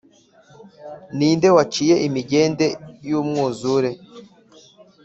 Ni nde waciye imigende y’umwuzure